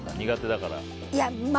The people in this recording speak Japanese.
苦手だからって。